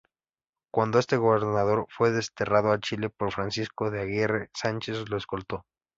Cuando este gobernador fue desterrado a Chile por Francisco de Aguirre, Sánchez lo escoltó.